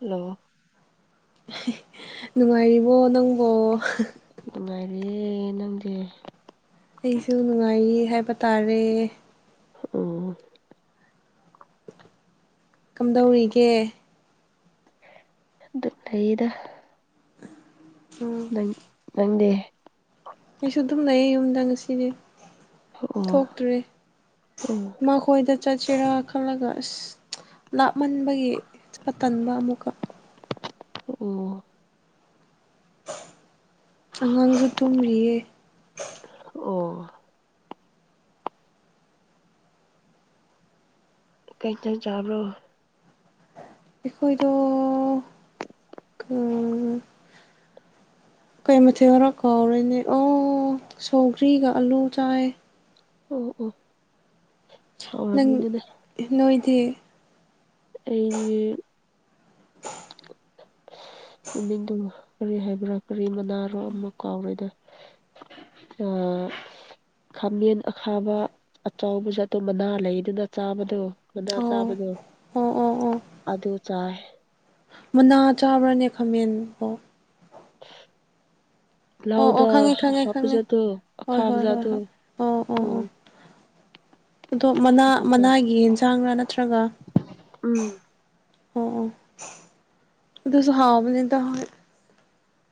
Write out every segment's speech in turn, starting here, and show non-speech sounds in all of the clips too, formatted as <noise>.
Hello ꯅꯨꯡꯉꯥꯏꯔꯤꯕꯣ ꯅꯪꯕꯣ ꯅꯨꯡꯉꯥꯏꯔꯤꯌꯦ ꯅꯪꯗꯤ ꯑꯩꯁꯨ ꯅꯨꯡꯉꯥꯏꯔꯤꯌꯦ ꯍꯥꯏꯕ ꯇꯥꯔꯦ ꯑꯣ ꯀꯝꯗꯧꯔꯤꯒꯦ ꯑꯗꯨ ꯂꯩꯗ <unintelligible> ꯅꯪꯗꯦ ꯑꯩꯁꯨ ꯑꯗꯨꯝ ꯂꯩꯌꯦ ꯌꯨꯝꯗ ꯉꯁꯤꯗꯤ ꯑꯣ ꯊꯣꯛꯇ꯭ꯔꯦ ꯎꯝ ꯃꯥꯈꯣꯢ ꯈꯣꯏꯗ ꯆꯠꯁꯤꯔ ꯈꯜꯂꯒ ꯑꯁ ꯂꯥꯞꯃꯟꯕꯒꯤ ꯆꯠꯄ ꯇꯟꯕ ꯑꯃꯨꯛꯀ ꯑꯣ ꯑꯉꯥꯡꯁꯨ ꯇꯨꯝꯔꯤꯌꯦ ꯑꯣ ꯀꯩ ꯀꯩ ꯆꯥꯕ꯭ꯔꯣ ꯑꯩꯈꯣꯏꯗꯣ ꯀꯥ ꯀꯩ ꯃꯊꯦꯜ ꯔꯣ ꯀꯥꯎꯔꯣꯏꯅꯦ ꯑꯣ ꯁꯧꯒ꯭ꯔꯤꯒ ꯑꯥꯂꯨ ꯆꯥꯏ ꯑꯣ ꯑꯣ ꯅꯪ ꯍꯥꯎꯔꯝꯅꯤꯗ ꯅꯣꯏꯗꯤ ꯑꯩ <unintelligible> ꯃꯃꯤꯡꯗꯨ ꯀꯔꯤ ꯍꯥꯏꯕ꯭ꯔꯥ ꯀꯔꯤ ꯃꯅꯥꯔꯣ ꯑꯃ ꯀꯥꯎꯔꯣꯏꯗ ꯑꯥ ꯈꯥꯃꯦꯟ ꯑꯈꯥꯕ ꯑꯆꯧꯕꯖꯥꯠꯇꯣ ꯃꯅꯥ ꯂꯩꯗꯨꯅ ꯆꯥꯕꯗꯣ ꯃꯅꯥ ꯑꯣ ꯆꯥꯕꯗꯣ ꯑꯣ ꯑꯣ ꯑꯗꯨ ꯆꯥꯏ ꯃꯨꯅꯥ ꯆꯥꯕ꯭ꯔꯅꯦ ꯈꯥꯃꯦꯟ ꯀꯣ ꯑꯣ ꯂꯧꯗ ꯑꯣ ꯈꯪꯉꯦ ꯈꯪꯉꯦ ꯈꯪꯉꯦ ꯍꯥꯄꯖꯥꯠꯗꯨ ꯍꯣꯏ ꯍꯣꯏ ꯍꯣꯏ ꯑꯈꯥꯕꯖꯥꯗꯣ ꯍꯣꯏ ꯑꯣ ꯑꯣ ꯎꯝ ꯑꯣ ꯑꯗꯣ ꯃꯅꯥ ꯑꯗꯨ ꯆꯥꯏ ꯃꯅꯥꯒꯤ ꯌꯦꯟꯁꯥꯡꯔꯥ ꯅꯠꯇ꯭ꯔꯒ ꯎꯝ ꯑꯣ ꯑꯗꯨꯁꯨ ꯍꯥꯎꯕꯅꯤꯗ ꯍꯣꯏ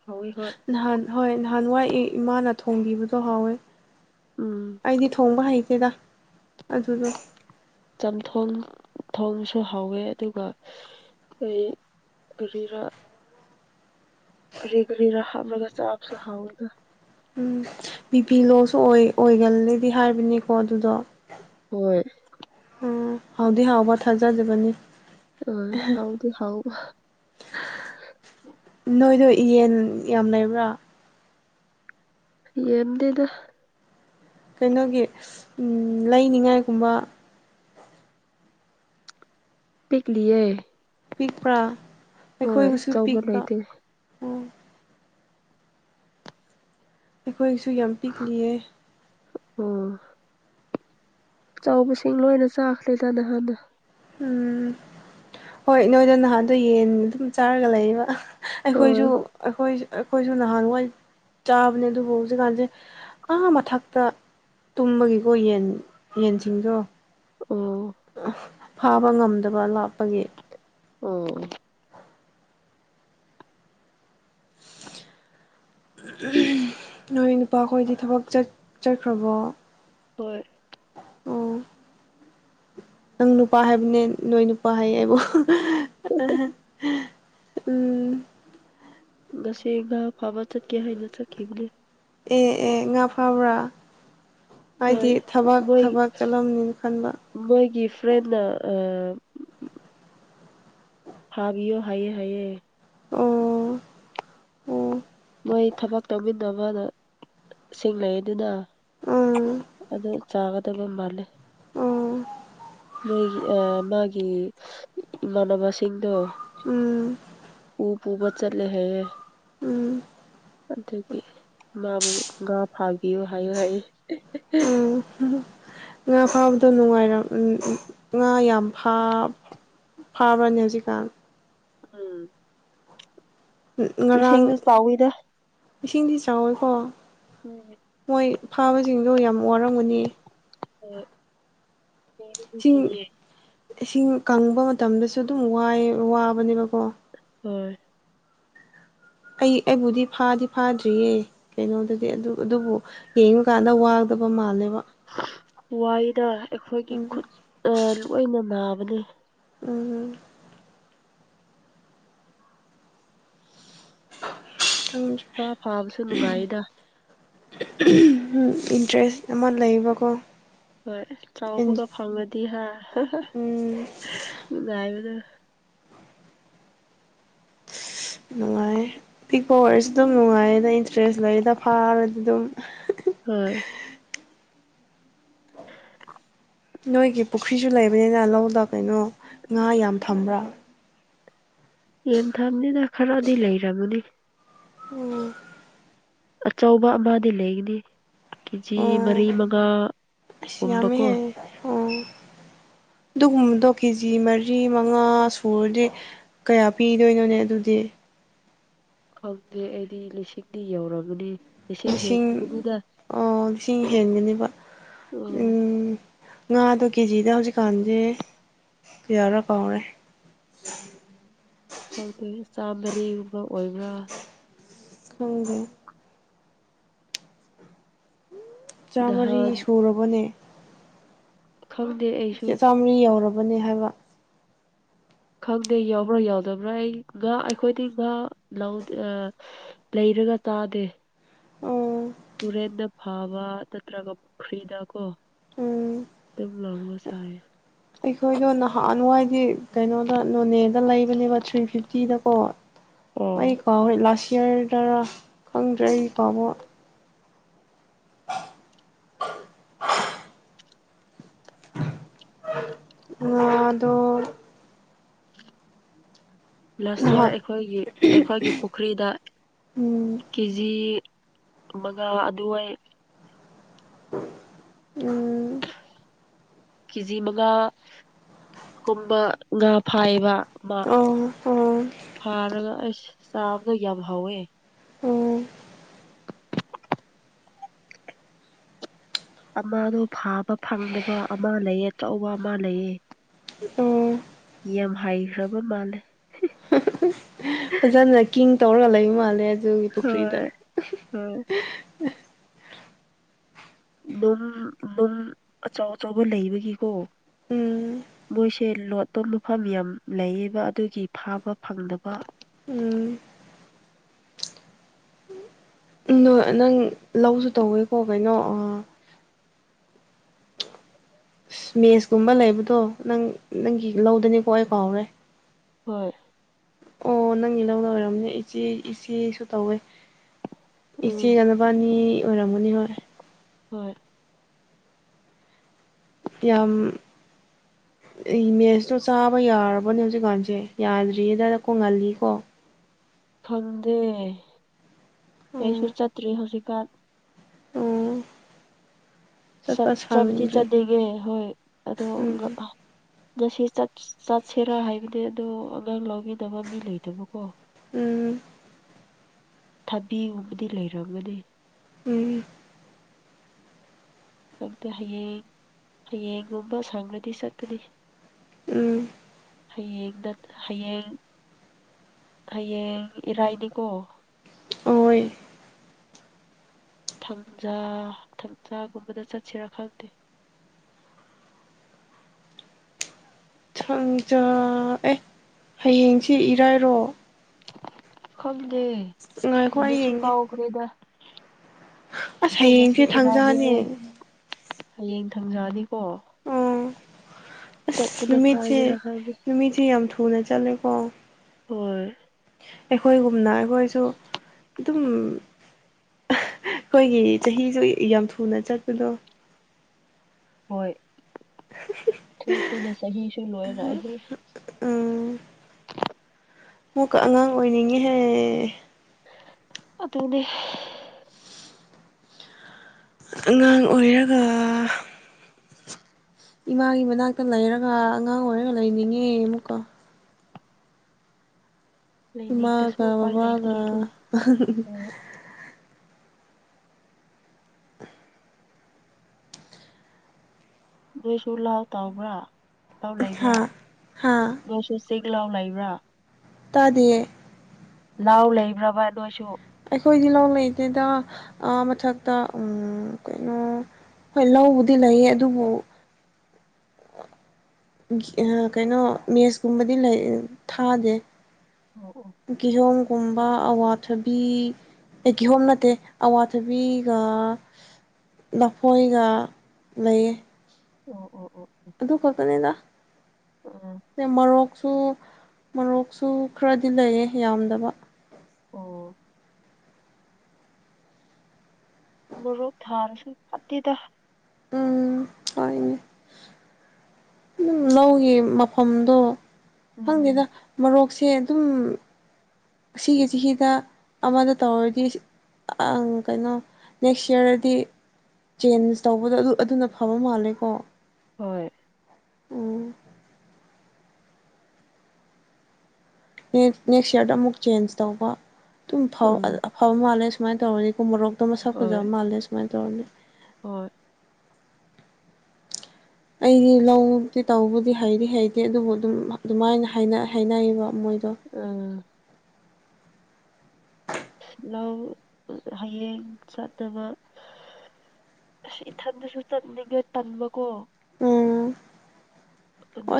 ꯍꯣꯏ ꯍꯣꯏ ꯅꯍꯥꯟ ꯍꯣꯏ ꯅꯍꯥꯟ ꯋꯥꯏ ꯏꯃꯥꯅ ꯊꯣꯡꯕꯤꯕꯗꯣ ꯍꯥꯎꯋꯦ ꯎꯝ ꯑꯩꯗꯤ ꯊꯣꯡꯕ ꯍꯩꯇꯦꯗ ꯑꯗꯨꯗꯣ ꯆꯝꯊꯣꯡ ꯊꯣꯡꯁꯨ ꯍꯥꯎꯋꯦ ꯑꯗꯨꯒ ꯀꯔꯤꯔ ꯀꯔꯤꯒꯔꯤꯔ ꯍꯥ ꯑꯃꯒ ꯁꯥꯐꯁꯨꯍꯥꯎꯒ ꯎꯝ ꯕꯤ ꯄꯤ ꯂꯣꯁꯨ ꯑꯣꯏ ꯑꯣꯏꯒꯜꯂꯗꯤ ꯍꯥꯏꯕꯅꯤꯀꯣ ꯑꯗꯨꯗꯣ ꯍꯣꯏ ꯑꯣ ꯍꯥꯎꯗꯤ ꯍꯥꯎꯕ ꯊꯥꯖꯗꯕꯅꯤ ꯑꯣ ꯍꯥꯎꯗꯤ ꯍꯥꯎ ꯅꯣꯏꯗꯣ ꯌꯦꯟ ꯌꯥꯝ ꯂꯩꯕ꯭ꯔꯥ ꯌꯦꯝꯗꯤꯗ ꯀꯩꯅꯣꯒꯤ ꯂꯩꯅꯤꯡꯉꯥꯏꯒꯨꯝꯕ ꯇꯂꯤ ꯄꯤꯛꯄ꯭ꯔꯥ ꯑꯩꯈꯣꯏꯒꯁꯨ ꯑꯆꯧꯕ ꯄꯤꯛꯄ ꯂꯩꯇꯦ ꯎꯝ ꯑꯩꯈꯣꯏꯁꯨ ꯌꯥꯝ ꯄꯤꯛꯂꯤꯌꯦ ꯑꯣ ꯆꯥꯎꯕꯁꯤꯡ ꯂꯣꯏꯅ ꯆꯥꯈ꯭ꯔꯦꯗꯅ ꯍꯥꯟꯅ ꯎꯝ ꯍꯣꯏ ꯅꯣꯏꯗ ꯅꯍꯥꯟꯗꯣ ꯌꯦꯟ ꯑꯗꯨꯝ ꯆꯥꯔꯒ ꯂꯩꯌꯦꯕ ꯑꯩꯈꯣꯏꯁꯨ ꯍꯣꯏ ꯑꯩꯈꯣꯏ ꯑꯩꯈꯣꯏꯁꯨ ꯅꯍꯥꯟꯋꯥꯏ ꯆꯥꯕꯅꯦ ꯑꯗꯨꯕꯨ ꯍꯧꯖꯤꯛꯀꯥꯟꯁꯦ ꯑꯉ ꯃꯊꯛꯇ ꯇꯨꯝꯕꯒꯤꯀꯣ ꯌꯦꯟ ꯌꯦꯟꯁꯤꯡꯗꯣ ꯑꯣ ꯐꯥꯕ ꯉꯝꯗꯕ ꯂꯥꯛꯞꯄꯒꯤ ꯎꯝ ꯅꯣꯏ ꯅꯨꯄꯥꯈꯣꯏꯗꯤ ꯊꯕꯛ ꯆꯠꯈ꯭ꯔꯕꯣ ꯍꯣꯏ ꯑꯣ ꯅꯪ ꯅꯨꯄꯥ ꯍꯥꯏꯕꯅꯦ ꯅꯣꯏ ꯅꯨꯄꯥ ꯍꯥꯏꯌꯦ ꯍꯥꯏꯕꯨꯣ ꯎꯝ ꯉꯁꯤ ꯉꯥ ꯐꯥꯕ ꯆꯠꯀꯦ ꯍꯥꯏꯅ ꯆꯠꯈꯤꯕꯅꯦ ꯑꯦ ꯑꯦ ꯉꯥ ꯐꯥꯕ꯭ꯔꯥ ꯍꯣꯏ ꯍꯥꯏꯗꯤ ꯊꯕꯛ ꯃꯣꯏ ꯊꯕꯛ ꯆꯠꯂꯝꯅꯤ ꯈꯟꯕ ꯃꯣꯏꯒꯤ ꯐ꯭ꯔꯦꯟꯅ ꯑ ꯍꯥꯕꯤꯌꯣ ꯍꯥꯏꯌꯦ ꯍꯥꯏꯌꯦ ꯑꯣ ꯑꯣ ꯃꯣꯏ ꯊꯕꯛ ꯇꯧꯃꯤꯟꯅꯕꯗꯣ ꯁꯤꯡ ꯂꯩꯩ ꯑꯗꯨꯅ ꯎꯝ ꯑꯗꯨ ꯆꯥꯒꯗꯕ ꯃꯥꯜꯂꯦ ꯎꯝ ꯃꯣꯏꯒꯤ ꯃꯥꯒꯤ ꯏꯃꯥꯟꯅꯕꯁꯤꯡꯗꯣ ꯎꯝ ꯎꯄꯨꯕꯥ ꯆꯠꯂꯦ ꯍꯥꯏꯌꯦ ꯎꯝ ꯑꯗꯨꯒꯤ ꯃꯥꯕꯨ ꯉꯥ ꯐꯥꯕꯤꯌꯨ ꯍꯥꯏꯌꯨ ꯍꯥꯏꯌꯦ <inaudible> ꯉꯥ ꯐꯥꯕꯗꯣ ꯅꯨꯡꯉꯥꯏꯔꯝ ꯉꯥ ꯌꯥꯝ ꯐꯥ ꯐꯥꯕꯅꯤ ꯍꯧꯖꯤꯀꯥꯟ ꯎꯝ ꯉꯔꯥꯡ ꯏꯁꯤꯡꯁꯨ ꯆꯥꯎꯋꯤꯗ ꯏꯁꯤꯡꯗꯤ ꯆꯥꯎꯋꯤꯀꯣ ꯎꯝ ꯃꯣꯏ ꯐꯥꯕꯁꯤꯡꯗꯨ ꯌꯥꯝ ꯋꯥꯔꯝꯒꯅꯤ ꯍꯣꯏ ꯌꯥꯝ ꯏꯁꯤꯡ ꯀꯤꯌꯦ ꯏꯁꯤꯡ ꯀꯪꯕ ꯃꯇꯝꯗꯁꯨ ꯑꯗꯨꯝ ꯋꯥꯏ ꯋꯥꯕꯅꯦꯕꯀꯣ ꯍꯣꯏ ꯑꯩ ꯑꯩꯕꯨꯗꯤ ꯐꯥꯗꯤ ꯐꯥꯗ꯭ꯔꯤꯌꯦ ꯀꯩꯅꯣꯗꯗꯤ ꯑꯗꯨ ꯑꯗꯨꯕꯨ ꯌꯦꯡꯕꯀꯥꯟꯗ ꯋꯥꯗꯕ ꯃꯥꯜꯂꯦꯕ ꯋꯥꯌꯦꯗꯥ ꯑꯩꯈꯣꯏꯒꯤ ꯎꯝ ꯈꯨꯠ ꯂꯣꯏꯅ ꯅꯥꯕꯅꯦ ꯎꯝ ꯎꯝ ꯈꯪꯗꯔꯦ ꯉꯥ ꯐꯥꯕꯁꯨ ꯅꯨꯡꯉꯥꯏꯗ ꯎꯝ ꯗꯔꯦꯁ ꯑꯃ ꯂꯩꯌꯦꯕꯀꯣ ꯍꯣꯏ ꯆꯥꯎꯕꯒ ꯐꯪꯉꯗꯤ ꯍꯥ ꯉꯥꯏꯕꯗꯨ ꯅꯨꯡꯉꯥꯏ ꯄꯤꯛꯄ ꯑꯣꯏꯔꯁꯨ ꯑꯗꯨꯝ ꯅꯨꯡꯉꯥꯏꯗ ꯏꯟꯇꯔꯦꯁ ꯂꯩꯗ ꯐꯥꯔꯗꯤ ꯑꯗꯨꯝ ꯍꯣꯏ <inaudible> ꯅꯣꯏꯒꯤ ꯄꯨꯈ꯭ꯔꯤꯁꯨ ꯂꯩꯕꯅꯤꯅ ꯂꯧꯗ ꯀꯩꯅꯣ ꯉꯥ ꯌꯥꯝ ꯊꯝꯕ꯭ꯔꯥ ꯌꯦꯟ ꯊꯪꯅꯤꯅꯥ ꯈꯔꯗꯤ ꯂꯩꯔꯝꯃꯅꯤ ꯎꯝ ꯑꯆꯧꯕ ꯑꯃꯗꯤ ꯂꯩꯒꯅꯤ ꯀꯦꯖꯤ ꯑꯣ ꯃꯔꯤ ꯃꯉꯥ ꯑꯁ ꯌꯥꯃꯃꯦ ꯍꯦ ꯑꯣ ꯑꯗꯨꯒꯨꯝꯕꯗꯣ ꯀꯦꯖꯤ ꯃꯔꯤ ꯃꯉꯥ ꯁꯨꯔꯗꯤ ꯀꯌꯥ ꯄꯤꯗꯣꯏꯅꯣꯅꯦ ꯑꯗꯨꯗꯤ ꯈꯪꯗꯦ ꯑꯩꯗꯤ ꯂꯤꯁꯤꯡꯗꯤ ꯌꯧꯔꯝꯃꯅꯤ ꯂꯤꯁꯤꯡ ꯑꯥ ꯂꯤꯁꯤꯡ ꯍꯦꯟꯒꯅꯦꯕ ꯎꯝ ꯉꯥꯗꯣ ꯀꯦꯖꯤꯗ ꯍꯧꯖꯤꯛꯀꯥꯟꯁꯦ ꯀꯌꯥꯔꯥ ꯀꯥꯎꯔꯦ <inaudible> ꯀꯧꯗꯔ꯭ꯤ ꯆꯥꯝꯗ ꯂꯩꯕ ꯑꯣꯏꯕ꯭ꯔꯥ ꯈꯪꯗꯦ ꯆꯥꯝꯃꯔꯤ ꯅꯍꯥꯟ ꯁꯨꯔꯕꯅꯦ ꯈꯪꯗꯦ ꯑꯩꯁꯨ ꯃꯤ ꯌꯥꯝꯃꯕꯅꯦ ꯍꯥꯏꯕ ꯈꯪꯗꯦ ꯌꯥꯎꯕ꯭ꯔꯥ ꯌꯥꯎꯗꯕ꯭ꯔꯥ ꯑꯩ ꯉꯥ ꯑꯩꯈꯣꯏꯗꯤ ꯉꯥ ꯂꯧꯗꯦ ꯑꯥ ꯂꯩꯔꯒ ꯆꯥꯗꯦ ꯑꯣ ꯇꯨꯔꯦꯟꯗ ꯐꯥꯕ ꯅꯠꯇ꯭ꯔꯒ ꯄꯨꯈ꯭ꯔꯤꯗ ꯀꯣ ꯎꯝ ꯑꯗꯨꯝ ꯂꯧꯔꯨꯒ ꯆꯥꯔꯦ ꯑꯩꯈꯣꯏꯗꯣ ꯅꯍꯥꯟꯅꯋꯥꯏꯗꯤ ꯀꯩꯅꯣꯗ ꯅꯣꯅꯦꯗ ꯂꯩꯕꯅꯦꯕ ꯊ꯭ꯔꯤ ꯐꯤꯐꯇꯤꯗꯀꯣ ꯑꯣ ꯑꯩꯀꯣ ꯍꯣꯏ ꯂꯥꯁ ꯏꯌꯥꯔꯗ ꯈꯪꯗ꯭ꯔꯦ ꯑꯩꯀꯣꯕ ꯑꯗ ꯂꯥꯁ ꯏꯌꯥꯔ ꯅꯍꯥꯟ ꯑꯩꯈꯣꯏꯒꯤ ꯑꯩꯈꯣꯏꯒꯤ ꯄꯨꯈ꯭ꯔꯤꯗ ꯎꯝ ꯀꯦ ꯖꯤ ꯑꯃꯒꯥ ꯑꯗꯨꯏ ꯎꯝ ꯀꯦ ꯖꯤ ꯃꯉꯥ ꯀꯨꯝꯕ ꯉꯥ ꯐꯥꯏꯕ ꯑꯃ ꯑꯣ ꯑꯣ ꯐꯥꯅ ꯁꯥꯐꯗꯏ ꯌꯥꯕ ꯐꯥꯑꯣꯦ ꯑꯣ ꯑꯃꯗꯣ ꯐꯥꯕ ꯐꯪꯗꯕ ꯑꯃ ꯂꯩꯑ ꯑꯆꯧꯕ ꯑꯃ ꯂꯩꯑ ꯑꯣ ꯌꯥꯝ ꯍꯥꯏꯩꯈ꯭ꯔꯕ ꯃꯥꯜꯂꯦ ꯐꯖꯅ ꯀꯤꯡꯡ ꯇꯧꯔꯒ ꯂꯩꯕ ꯃꯥꯜꯂꯦ ꯑꯗꯨꯒꯤ ꯄꯨꯈ꯭ꯔꯤꯗ ꯍꯣꯏ ꯍꯣꯏ ꯅꯨꯡ ꯅꯨꯡ ꯑꯆꯥꯎ ꯑꯆꯕ ꯂꯩꯕꯒꯤꯀꯣ ꯎꯝ ꯃꯣꯏꯁꯦ ꯂꯣꯠꯄ ꯃꯐꯝ ꯌꯥꯝ ꯂꯩꯌꯦꯕ ꯑꯗꯨꯒꯤ ꯐꯥꯕ ꯐꯪꯗꯕ ꯎꯝ ꯅꯣꯏ ꯅꯪ ꯂꯧꯁꯨ ꯇꯧꯋꯦꯀꯣ ꯀꯩꯅꯣ ꯃꯦꯁꯀꯨꯝꯕ ꯂꯩꯕꯗꯣ ꯅꯪ ꯅꯪꯒꯤ ꯂꯧꯗꯅꯤꯀꯣ ꯑꯩ ꯀꯥꯎꯔꯦ ꯍꯣꯏ ꯑꯣ ꯅꯪꯒꯤ ꯂꯧꯅ ꯑꯣꯏꯔꯕꯅꯦ ꯏꯆꯦ ꯏꯆꯦꯁꯨ ꯇꯧꯋꯦ ꯏꯆꯦ ꯎꯝ ꯉꯅꯕꯅꯤ ꯑꯣꯏꯔꯝꯒꯅꯤ ꯍꯣꯏ ꯍꯣꯏ ꯌꯥꯝ ꯃꯦꯁꯇꯣ ꯆꯥꯕ ꯌꯥꯔꯕꯅꯦ ꯍꯧꯖꯤꯛꯀꯥꯟꯁꯦ ꯌꯥꯗ꯭ꯔꯤꯌꯦꯗꯗ ꯀꯣꯡꯍꯜꯂꯤꯀꯣ ꯈꯪꯗꯦ ꯑꯩꯁꯨ ꯎꯝ ꯆꯠꯇ꯭ꯔꯤ ꯍꯧꯖꯤꯛꯀꯥꯟ ꯎꯝ ꯆꯠ ꯆꯠꯄ ꯆꯕꯨꯗꯤ ꯁꯪꯗ꯭ꯔꯦ ꯆꯠꯅꯤꯡꯒꯦ ꯍꯣꯏ ꯑꯗꯣ ꯎꯝ ꯉꯁꯤ ꯆꯠꯁꯤꯔꯥ ꯍꯥꯏꯕꯗꯤ ꯑꯗꯣ ꯑꯉꯥꯡ ꯂꯧꯕꯒ ꯐꯠꯇꯕ ꯃꯤ ꯂꯩꯇꯕꯀꯣ ꯎꯝ ꯊꯕꯤꯒꯨꯝꯕꯨꯗꯤ ꯂꯩꯔꯝꯒꯅꯤ ꯎꯝ ꯆꯪꯛꯇꯦ ꯍꯌꯦꯡ ꯍꯌꯦꯡꯒꯨꯝꯕ ꯁꯪꯒꯗꯤ ꯆꯠꯀꯅꯤ ꯎꯝ ꯍꯌꯦꯡ ꯍꯌꯦꯡ ꯍꯌꯦꯡ ꯏꯔꯥꯏꯅꯤꯀꯣ ꯑꯣꯏ ꯊꯥꯡꯖꯥ ꯊꯥꯡꯖꯥꯒꯨꯝꯕꯗ ꯆꯠꯁꯤꯔꯥ ꯈꯪꯗꯦ ꯁꯪꯖ ꯑꯦ ꯍꯌꯦꯡꯁ ꯏꯔꯥꯏꯔꯣ ꯈꯪꯗꯦ ꯉꯥꯏꯈꯣ ꯑꯩ ꯅꯨꯃꯤꯠꯁꯨ ꯌꯦꯡꯒꯦ ꯀꯥꯎꯈ꯭ꯔꯦꯗ ꯑꯁ ꯍꯣꯏ ꯉꯁꯤ ꯍꯌꯦꯡꯁꯦ ꯊꯥꯡꯖꯥꯅꯦ ꯏꯔꯥꯏꯅꯦꯍꯦ ꯍꯌꯦꯡ ꯊꯝꯖꯑꯅꯤꯀꯣ ꯑꯣ ꯑꯁ ꯅꯨꯃꯤꯠꯁꯦ ꯐꯒꯦꯔꯥ ꯈꯪꯗꯦ ꯅꯨꯃꯤꯠꯁꯦ ꯌꯥꯝ ꯊꯨꯅ ꯆꯠꯂꯦꯀꯣ ꯍꯣꯏ ꯑꯩꯈꯣꯏꯒꯨꯝꯅ ꯑꯩꯈꯣꯏꯁꯨ ꯑꯗꯨꯝ ꯑꯩꯈꯣꯏꯒꯤ ꯆꯍꯤꯁꯨ ꯌꯥꯝ ꯊꯨꯅ ꯆꯠꯄꯗꯣ ꯍꯣꯏ ꯊꯨ ꯊꯨꯅ ꯆꯍꯤꯁꯨ ꯂꯣꯏꯔꯦ ꯎ ꯑꯃꯨꯛꯀ ꯑꯉꯥꯡ ꯑꯣꯏꯅꯤꯡꯉꯤꯍꯦ ꯑꯗꯨꯅꯦ ꯑꯉꯥꯡ ꯑꯣꯏꯔꯒ ꯏꯃꯥꯒꯤ ꯃꯅꯥꯛꯇ ꯂꯩꯔꯒ ꯑꯉꯥꯡ ꯑꯣꯏꯔꯒ ꯂꯩꯅꯤꯡꯉꯦ ꯑꯃꯨꯛꯀꯣ ꯂꯩꯅꯤꯡꯗ꯭ꯔꯁꯨ ꯍꯃꯒ ꯎꯄꯥꯏ ꯕꯥꯒ ꯂꯩꯇ꯭ꯔꯦꯅꯦ ꯍꯣꯏ ꯅꯣꯏꯁꯨ ꯂꯥꯎ ꯇꯥꯎꯕ꯭ꯔꯥꯤ ꯂꯥꯎ ꯂꯩꯕ꯭ꯔꯥ ꯍꯥ ꯍꯥ ꯅꯣꯏꯁꯨ ꯆꯤꯛ ꯂꯥꯎ ꯂꯩꯕ꯭ꯔꯥ ꯇꯗꯌꯦ ꯂꯅꯥꯍꯎ ꯂꯩꯕ꯭ꯔꯕ ꯑꯗꯨ ꯑꯣꯏꯁꯨ ꯑꯩꯈꯣꯏ ꯏ ꯂꯧ ꯂꯩꯗꯩꯗ ꯃꯊꯛꯇ ꯀꯩꯅꯣ ꯍꯣꯏ ꯂꯧꯕꯗꯤ ꯂꯩꯌꯦ ꯑꯗꯨꯕꯨ ꯀꯩꯅꯣ ꯃꯦꯁꯀꯨꯝꯕꯗꯤ ꯂꯩ ꯊꯥꯗꯦ ꯑꯣ ꯑꯣ ꯀꯤꯖꯣꯝꯒꯨꯝꯕ ꯑꯋꯥꯊꯕꯤ ꯑꯩ ꯀꯤꯍꯣꯝ ꯅꯠꯇꯦ ꯑꯋꯥꯊꯕꯤꯒ ꯂꯐꯣꯏꯒ ꯂꯩꯌꯦ ꯑꯣ ꯑꯣ ꯑꯣ ꯑꯣ ꯑꯗꯨ ꯈꯛꯇꯅꯤꯗ ꯎꯝ ꯁ ꯃꯔꯣꯔꯣꯛ ꯁꯨ ꯃꯔꯣꯛꯁꯨ ꯈꯔꯗꯤ ꯂꯩꯌꯦ ꯌꯥꯝꯗꯕ ꯑꯣ ꯃꯣꯔꯣꯛ ꯊꯥꯔꯁꯨ ꯐꯠꯇꯦꯗ ꯎꯝ ꯍꯅꯦ ꯑꯗꯨꯝ ꯂꯧꯒꯤ ꯃꯐꯝꯗꯣ ꯈꯪꯗꯦꯗ ꯎꯝ ꯃꯔꯣꯔꯣꯛꯁꯦ ꯑꯗꯨꯝ ꯑꯁꯤꯒꯤ ꯆꯍꯤꯗ ꯑꯃꯗ ꯇꯧꯔꯗꯤ ꯀꯩꯅꯣ ꯅꯦꯛꯁ ꯏꯌꯥꯔꯗꯗꯤ ꯆꯦꯟꯖ ꯇꯧꯕꯗꯣ ꯑꯗꯨ ꯑꯗꯨꯅ ꯐꯕ ꯃꯥꯜꯂꯦꯀꯣ ꯍꯣꯏ ꯎꯝ ꯅꯦꯛꯁ ꯏꯌꯥꯔꯗ ꯑꯃꯨꯛ ꯆꯦꯟꯖ ꯇꯧꯕ ꯑꯗꯨꯝ ꯎꯝ ꯑꯐꯕ ꯃꯥꯜꯂꯦ ꯁꯨꯃꯥꯏꯅ ꯇꯧꯔꯅꯤꯀꯣ ꯃꯣꯔꯣꯛ ꯑꯗꯣꯁ ꯍꯣꯏ ꯐꯖꯕ ꯃꯥꯜꯂꯦ ꯁꯨꯃꯥꯏꯅ ꯇꯧꯔꯅꯤ ꯍꯣꯏ ꯑꯩꯗꯤ ꯂꯧꯛꯇꯤ ꯇꯧꯕꯗꯤ ꯍꯩꯗꯤ ꯍꯩꯇꯦ ꯑꯗꯨꯕꯨ ꯑꯗꯨꯝ ꯑꯗꯨꯃꯥꯏꯅ ꯍꯥꯏꯅꯩꯌꯦꯕ ꯃꯣꯏꯗꯣ ꯑꫭ꯫ ꯂꯧ ꯍꯌꯦꯡ ꯆꯠꯅꯕ ꯑꯁ ꯏꯊꯟꯗꯁꯨ ꯆꯟꯅꯤꯡꯉꯦ ꯇꯟꯕꯀꯣ꯫ ꯎꯝ꯫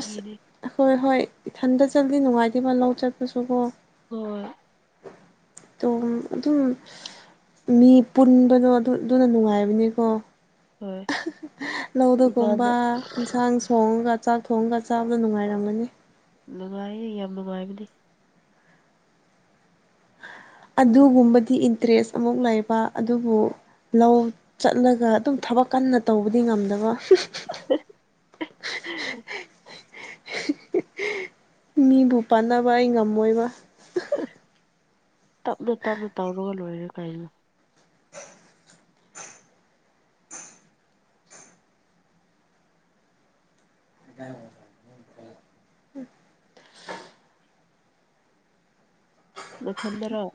ꯑꯁ ꯍꯣꯏ ꯍꯣꯏ ꯏꯊꯟꯇ ꯆꯠꯂꯤ ꯅꯨꯡꯉꯥꯏꯇꯦꯕ ꯂꯧ ꯆꯠꯄꯁꯨꯀꯣ꯫ ꯑꯣꯏ꯫ ꯇꯣ ꯑꯗꯨꯝ ꯃꯤ ꯄꯨꯟꯕꯗꯣ ꯑꯗꯨ ꯑꯗꯨꯅ ꯅꯨꯡꯉꯥꯏꯕꯅꯤꯀꯣ꯫ ꯍꯣꯏ ꯂꯧꯗꯒꯨꯝꯕ ꯏꯃꯥꯅ ꯌꯦꯟꯁꯥꯡ ꯁꯣꯡꯉꯒ ꯆꯥꯛ ꯊꯣꯡꯉꯒ ꯆꯥꯕꯗꫭ ꯅꯨꯡꯉꯥꯏꯔꯝꯒꯅꯤ꯫ ꯅꯨꯡꯉꯥꯏꯌꯦ ꯌꯥꯝ ꯅꯨꯡꯉꯥꯏꯕꯅꯤ꯫ ꯑꯗꯨꯒꯨꯝꯕꯗꯤ ꯏꯟꯇꯔꯦꯁ ꯑꯃꯨꯛ ꯂꯩꯕ ꯑꯗꯨꯕꯨ ꯂꯧ ꯆꯠꯂꯒ ꯑꯗꯨꯝ ꯊꯕꯛ ꯀꯟꯅ ꯇꯧꯕꯗꯤ ꯉꯝꯗꯕ꯫ <unintelligible> <unintelligible> ꯃꯤꯕꯨ ꯄꯥꯟꯅꯕ ꯑꯩ ꯉꯝꯃꯣꯏꯕ꯫ ꯇꯞꯅ ꯇꯞꯅ ꯇꯧꯔꯒ ꯂꯣꯏꯔꯦ ꯀꯩꯅꯣ꯫ ꯅꯊꯟꯗꯔꯣ꯫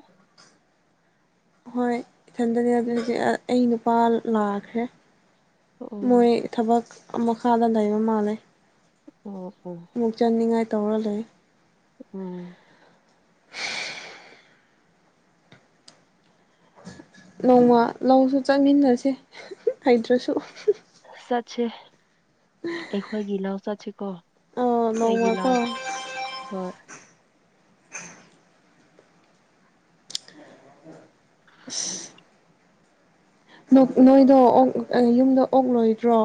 ꯍꯣꯏ ꯏꯊꯟꯗꯅꯦ ꯑꯗꯨꯗꯤ ꯑꯩ ꯅꯨꯄꯥ ꯂꯥꯛꯈ꯭ꯔꯦ ꯃꯣꯏ ꯑꯣ ꯊꯕꯛ ꯑꯃꯈꯥꯗ ꯂꯩꯕ ꯃꯥꯜꯂꯦ꯫ ꯑꯣ ꯑꯣ꯫ ꯑꯃꯨꯛ ꯆꯟꯅꯤꯡꯉꯥꯏ ꯇꯧꯔ ꯂꯩ꯫ ꯑꯣ꯫ ꯅꯣꯡꯃ ꯂꯧꯁꯨ ꯆꯠꯃꯤꯟꯅꯁꯦ ꯍꯩꯇ꯭ꯔꯁꯨ꯫ <unintelligible> ꯆꯠꯁꯦ ꯑꯩꯈꯣꯏꯒꯤ ꯂꯧ ꯆꯠꯁꯤꯀꯣ꯫ ꯑꯣ ꯑꯩꯒꯤ ꯅꯣꯡꯃꯀꯣ ꯂꯩ ꯍꫭꯏ꯫ ꯑꯁ꯫ ꯅꫭꯛ ꯅꯣꯏꯗꯣ ꯑꯣꯛ ꯑꯩ ꯌꯨꯝꯗ ꯑꯣꯛ ꯂꯣꯏꯗ꯭ꯔꯣ꯫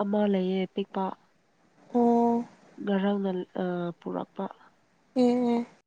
ꯑꯃ ꯂꯩꯌꯦ ꯑ ꯄꯤꯛꯄ꯫ ꯑꯣ꯫ ꯉꯔꯥꯡꯅ ꯑ ꯄꯨꯔꯛꯄ꯫ ꯑꯦ ꯑꯦ